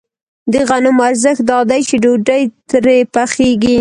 د غنمو ارزښت دا دی چې ډوډۍ ترې پخېږي